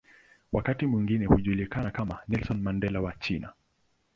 Wakati mwingine hujulikana kama "Nelson Mandela wa China".